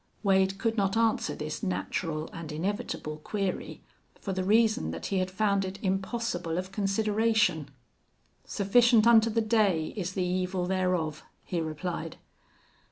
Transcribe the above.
Wade could not answer this natural and inevitable query for the reason that he had found it impossible of consideration. "Sufficient unto the day is the evil thereof," he replied.